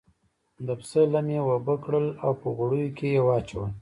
د پسه لم یې اوبه کړل او په غوړیو کې یې واچول.